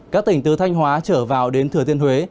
các tỉnh từ thanh hóa trở vào đến thừa thiên huế